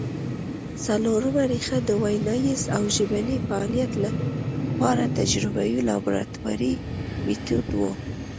څلورمه ریښه د ویناييز او ژبني فعالیت له پاره تجربوي لابراتواري مېتود وو